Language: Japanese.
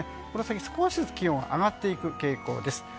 この先少しずつ気温は上がっていく傾向です。